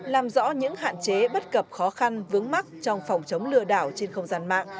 làm rõ những hạn chế bất cập khó khăn vướng mắt trong phòng chống lừa đảo trên không gian mạng